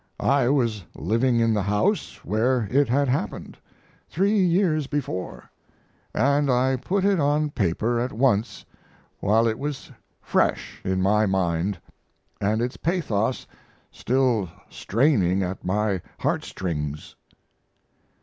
I was living in the house where it had happened, three years before, & I put it on paper at once while it was fresh in my mind, & its pathos still straining at my heartstrings.